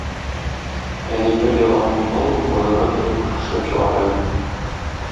Әни, бер дә армый-талмый, байларга кәләпүш эшләп чыгара иде.